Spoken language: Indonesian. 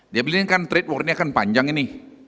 dia bilang ini kan trade war nya kan panjang ini